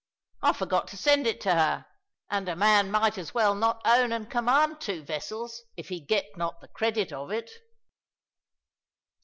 I forgot to send it to her, and a man might as well not own and command two vessels if he get not the credit of it."